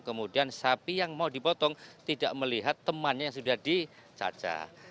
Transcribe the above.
kemudian sapi yang mau dipotong tidak melihat temannya yang sudah dicacah